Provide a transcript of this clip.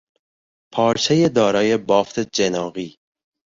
پارچهی دارای بافت جناغی